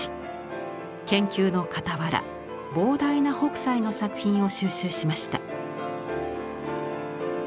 研究のかたわら膨大な北斎の作品を収集しました。